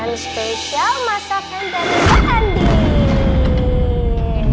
makanan spesial masakan dari mbak andi